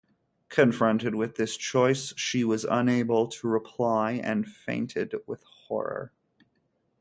Confronted with this choice, she was unable to reply and fainted with horror.